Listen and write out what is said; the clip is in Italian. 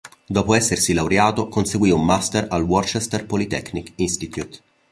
Dopo essersi laureato conseguì un Master al Worcester Polytechnic Institute.